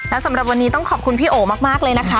และสำหรับวันนี้ต้องขอบคุณพี่โอมากเลยนะคะ